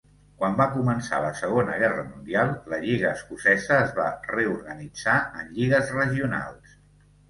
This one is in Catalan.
Quan va començar la Segona Guerra Mundial, la Lliga Escocesa es va reorganitzar en lligues regionals.